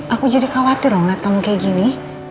aku jadi khawatir loh ngeliat kamu kayak gini